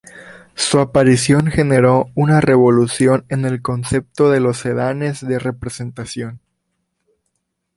Su aparición generó una revolución en el concepto de los sedanes de representación.